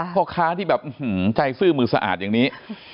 พ่อค้าที่แบบใจซื่อมือสะอาดอย่างนี้